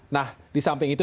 nah di samping itu